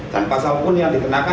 dan pasal pun yang dikenakan